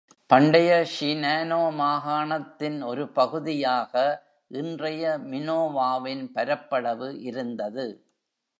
பண்டைய ஷினானோ மாகாணத்தின் ஒரு பகுதியாக இன்றைய மினோவாவின் பரப்பளவு இருந்தது.